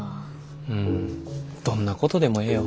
うんどんなことでもええよ。